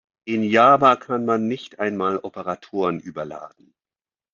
In Java kann man nicht einmal Operatoren überladen.